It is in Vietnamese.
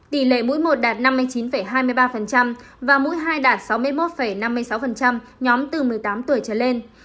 tỷ lệ mũi một đạt năm mươi chín hai mươi ba và mũi hai đạt sáu mươi một năm mươi sáu nhóm từ một mươi tám tuổi trở lên